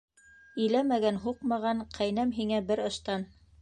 Иләмәгән, һуҡмаған, ҡәйнәм, һиңә бер ыштан.